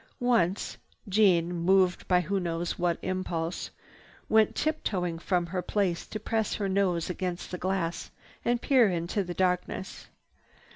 Once Jeanne, moved by who knows what impulse, went tip toeing from her place to press her nose against the glass and peer into that darkness.